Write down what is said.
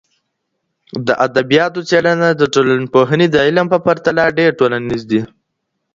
د ادبياتو څیړنه د ټولنپوهني د علم په پرتله ډیر ټولنیز دي.